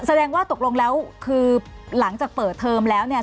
แสดงว่าตกลงแล้วคือหลังจากเปิดเทอมแล้วเนี่ย